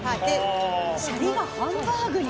シャリがハンバーグに。